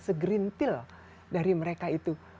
segrintil dari mereka itu